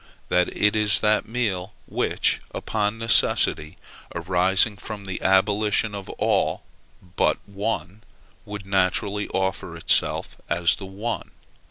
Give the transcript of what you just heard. That it is that meal which, upon necessity arising for the abolition of all but one, would naturally offer itself as that one.